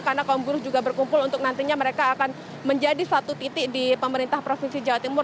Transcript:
karena kaum buruh juga berkumpul untuk nantinya mereka akan menjadi satu titik di pemerintah provinsi jawa timur